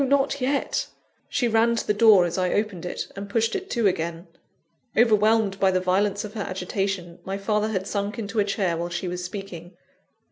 not yet!" She ran to the door as I opened it, and pushed it to again. Overwhelmed by the violence of her agitation, my father had sunk into a chair while she was speaking.